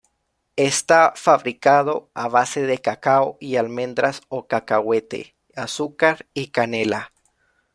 Está fabricado a base de cacao y almendras o cacahuete, azúcar y canela.